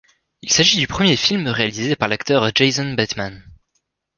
Il s'agit du premier film réalisé par l'acteur Jason Bateman.